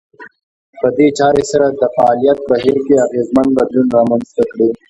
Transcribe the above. په دې چارې سره د فعاليت بهير کې اغېزمن بدلون رامنځته کړي.